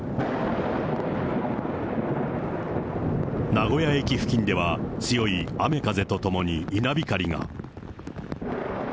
名古屋駅付近では、強い雨風とともに、稲光が。